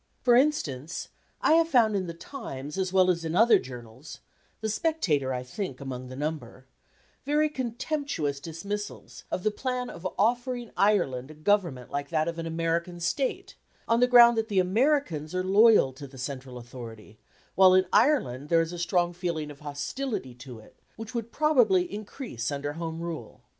For instance, I have found in the Times as well as in other journals the Spectator, I think, among the number very contemptuous dismissals of the plan of offering Ireland a government like that of an American State, on the ground that the Americans are loyal to the central authority, while in Ireland there is a strong feeling of hostility to it, which would probably increase under Home Rule.